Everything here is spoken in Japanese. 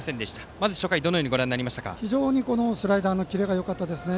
まず初回、どのように非常にスライダーのキレがよかったですね。